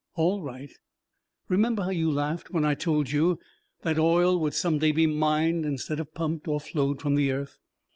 All right: "Remember how you laughed when I told you that oil would some day be mined instead of pumped or flowed from the earth?